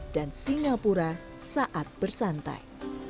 dan singapura saat bersantai